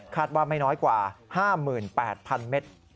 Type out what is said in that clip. ว่าไม่น้อยกว่า๕๘๐๐๐เมตร